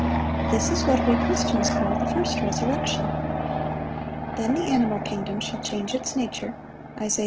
This is what we Christians call the first resurrection. Then the animal kingdom shall change its nature (Isa.